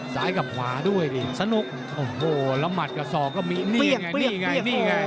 สายกับขวาด้วยดิสนุกโอ้โหแล้วหมัดกับสองก็มีเปรี้ยงเปรี้ยงเปรี้ยง